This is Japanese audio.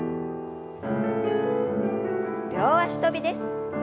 両脚跳びです。